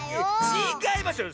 ちがいますよ。